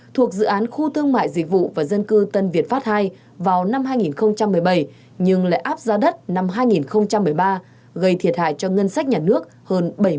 thuộc dự án khu thương mại dịch vụ và dân cư tân việt pháp ii vào năm hai nghìn một mươi bảy nhưng lại áp ra đất năm hai nghìn một mươi ba gây thiệt hại cho ngân sách nhà nước hơn bảy mươi tỷ đồng